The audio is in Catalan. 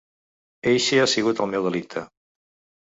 Eixe ha sigut el meu delicte.